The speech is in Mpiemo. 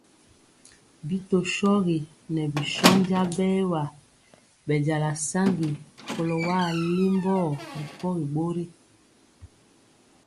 Bi tɔ shogi ŋɛɛ bi shónja bɛɛwa bɛnjala saŋgi kɔlo wa alimbɔ ripɔgi bori.